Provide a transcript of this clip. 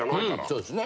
そうですね。